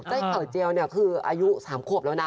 เขยเจียวเนี่ยคืออายุ๓ขวบแล้วนะ